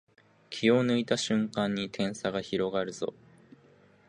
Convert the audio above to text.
気を抜いた瞬間に点差が広がるぞ